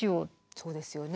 そうですよね